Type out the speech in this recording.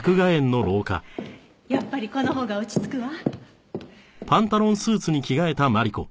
やっぱりこのほうが落ち着くわ。